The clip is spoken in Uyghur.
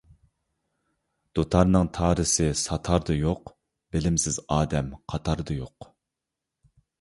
دۇتارنىڭ تارىسى ساتاردا يوق، بىلىمسىز ئادەم قاتاردا يوق.